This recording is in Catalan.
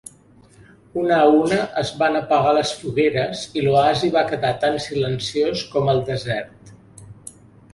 Una a una, es van apagar les fogueres i l'oasi va quedar tan silenciós com el desert.